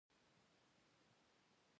رییس صاحب پوپل بلي خواته رخصت شو.